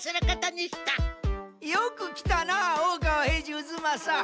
よく来たな大川平次渦正。